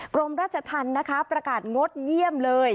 กรมราชธรรมนะคะประกาศงดเยี่ยมเลย